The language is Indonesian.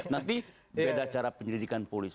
nanti beda cara penyelidikan polisi